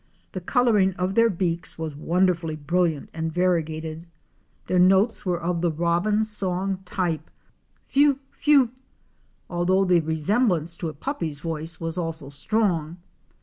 The coloring of their beaks was wonderfully brilliant and variegated. Their notes were of JUNGLE LIFE AT AREMU. cee, the Robin song type, Phéo pha! although the resemblance to a puppy's voice was also strong.